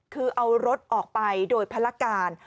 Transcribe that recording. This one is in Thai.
คือเอารถออกไปโดยภารการ